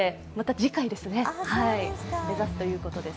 次回ですね、目指すということです。